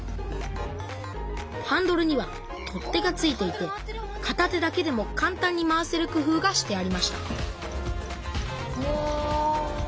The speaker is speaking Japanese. ハンドルには取っ手が付いていてかた手だけでもかん単に回せるくふうがしてありましたうわ。